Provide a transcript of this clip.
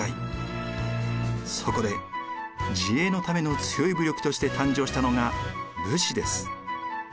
そこで自衛のための強い武力として誕生したのが武士です。